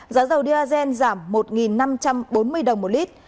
giá dầu diagen giảm một năm trăm bốn mươi đồng mỗi lít